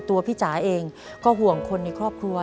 พี่จ๋าเองก็ห่วงคนในครอบครัว